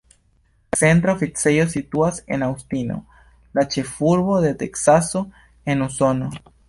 La centra oficejo situas en Aŭstino, la ĉefurbo de Teksaso en Usono.